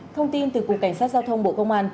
thông tin từ cục cảnh sát giao thông bộ công an